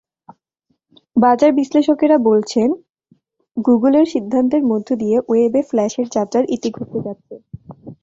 বাজার বিশ্লেষকেরা বলছেন, গুগলের সিদ্ধান্তের মধ্য দিয়ে ওয়েবে ফ্ল্যাশের যাত্রার ইতি ঘটতে যাচ্ছে।